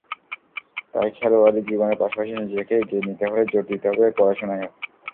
তাই খেলোয়াড়ি জীবনের পাশাপাশি নিজেকে এগিয়ে নিতে হলে জোর দিতে হবে পড়াশোনায়ও।